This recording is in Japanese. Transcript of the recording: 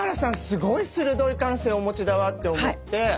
すごい鋭い感性をお持ちだわって思って。